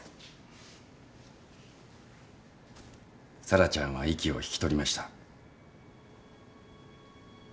沙羅ちゃんは息を引き取りました。